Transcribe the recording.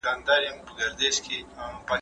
نن ورځ پښتانه ليکوال باید دا فکر ژور کړي.